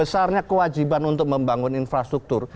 besarnya kewajiban untuk membangun infrastruktur